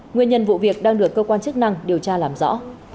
nguyên nhân vụ việc đang được cơ quan chức năng điều tra làm rõ